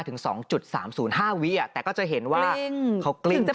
ถึงสองจุดสามศูนย์ห้าวิอ่ะแต่ก็จะเห็นว่าเขากลิ้งคับ